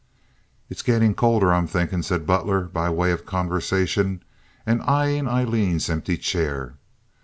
"It's gettin' colder, I'm thinkin'," said Butler, by way of conversation, and eyeing Aileen's empty chair.